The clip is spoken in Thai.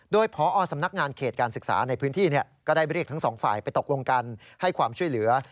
โดยพอสำนักงานเขตการศึกษาในพื้นที่ก็ได้เรียกทั้งสองฝ่ายไปตกลงกันให้ความช่วยเหลือ